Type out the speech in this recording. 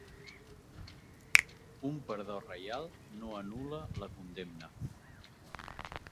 Un perdó reial no anul·la la condemna.